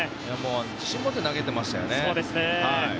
自信を持って投げてましたよね。